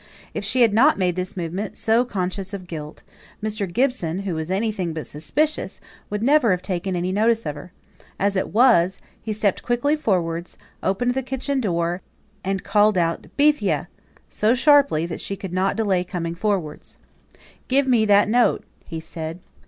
If she had not made this movement, so conscious of guilt, Mr. Gibson, who was anything but suspicious, would never have taken any notice of her. As it was, he stepped quickly forwards, opened the kitchen door, and called out "Bethia" so sharply that she could not delay coming forwards. "Give me that note," he said.